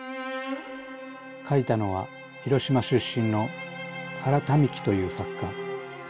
書いたのは広島出身の原民喜という作家。